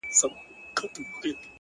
سپينه خولگۍ راپسي مه ږغوه ـ